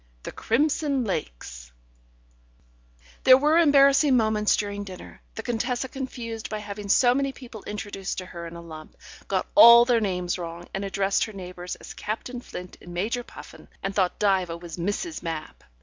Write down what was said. The crimson lakes ... There were embarrassing moments during dinner; the Contessa confused by having so many people introduced to her in a lump, got all their names wrong, and addressed her neighbours as Captain Flint and Major Puffin, and thought that Diva was Mrs. Mapp.